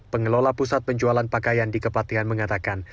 pengelola pusat penjualan pakaian di kepatian mengatakan